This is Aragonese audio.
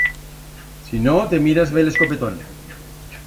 Si no, te miras bel escopetón.